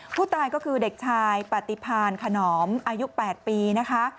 ผู้ตายก็คือเด็กชายปฏิพานขนอมอายุ๘ปีนะคะ